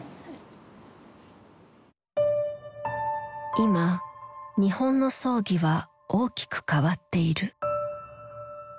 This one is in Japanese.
今日本の葬儀は大きく変わっている。